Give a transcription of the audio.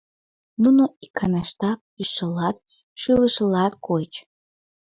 Нуно иканаштак кушшылат, шулышылат койыч.